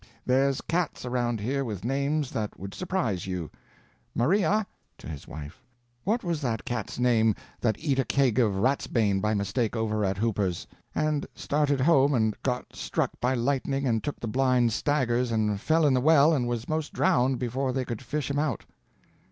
There's cats around here with names that would surprise you. Maria" (to his wife), "what was that cat's name that eat a keg of ratsbane by mistake over at Hooper's, and started home and got struck by lightning and took the blind staggers and fell in the well and was 'most drowned before they could fish him out?"